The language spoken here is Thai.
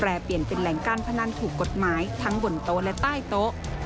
เปลี่ยนเป็นแหล่งการพนันถูกกฎหมายทั้งบนโต๊ะและใต้โต๊ะ